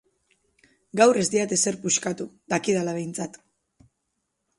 Gaur ez diat ezer puxkatu, dakidala behintzat.